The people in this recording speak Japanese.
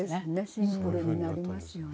シンプルになりますよね。